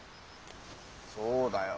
そうだよ。